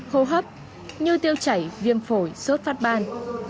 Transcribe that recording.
hô hấp như tiêu chảy viêm phổi sốt phát ban